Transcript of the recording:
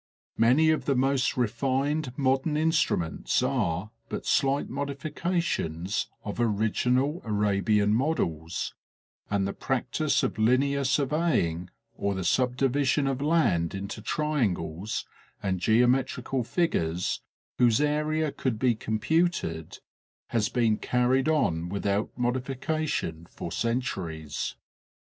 Many of the most refined modern instruments are but slight modifications of original Ara bian models, and the practice of linear surveying, or the subdi vision of land into triangles, and geometrical figures, whose area could be computed, has been carried on without modification for centuries.